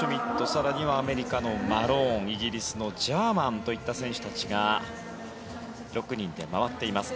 更にはアメリカのマローンイギリスのジャーマンといった選手たちが６人で回っています。